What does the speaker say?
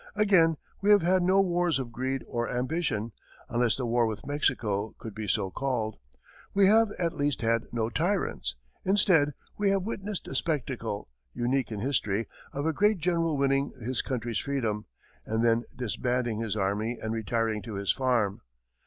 Again, we have had no wars of greed or ambition, unless the war with Mexico could be so called. We have, at least, had no tyrants instead, we have witnessed the spectacle, unique in history, of a great general winning his country's freedom, and then disbanding his army and retiring to his farm.